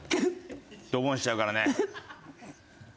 ドボンしちゃうからね。